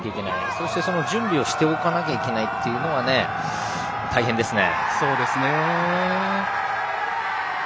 そして、その準備をしておかなきゃいけないというのは大変ですね。